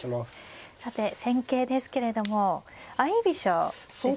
さて戦型ですけれども相居飛車ですね。